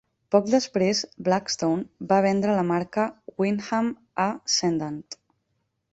Poc després, Blackstone va vendre la marca Wyndham a Cendant.